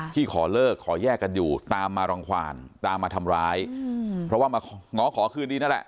ขอเลิกขอแยกกันอยู่ตามมารังความตามมาทำร้ายเพราะว่ามาง้อขอคืนดีนั่นแหละ